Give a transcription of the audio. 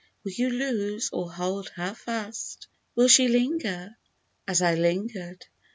Will you loose or hold her fast ? Will she linger as I lingered